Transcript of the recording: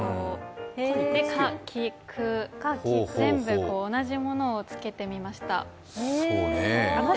それで、か、き、く、全部同じものをつけてみました。